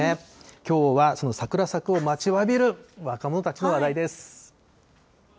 きょうはそのサクラサクを待ちわびる若者たちの話題です。